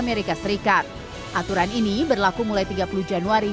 ditetapkan bahwa batas pembebasan bea masuk untuk barang kiriman adalah sebesar tiga dolar as